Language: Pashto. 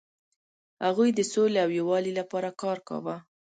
هغوی د سولې او یووالي لپاره کار کاوه.